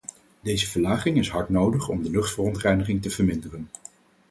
Deze verlaging is hard nodig om de luchtverontreiniging te verminderen.